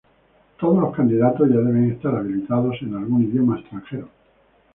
Todos los candidatos ya deben estar habilitados en algún idioma extranjero.